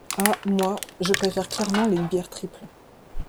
Ha moi je préfère clairement les bières triples.